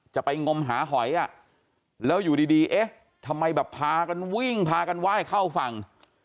จะไปงมหาหอยแล้วอยู่ดีเอ๊ะทำไมแบบพากันวิ่งพากันไหว้เข้าฝั่ง